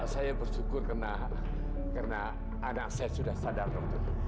saya bersyukur karena anak saya sudah sadar dokter